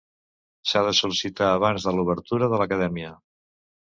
S'ha de sol·licitar abans de l'obertura de l'acadèmia.